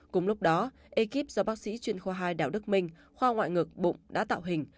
cùng lúc đó ekip do bác sĩ chuyên khoa hai đảo đức minh khoa ngoại ngữ bụng đã tạo hình